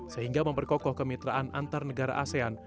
sehingga memperkokoh kemitraan antar negara asean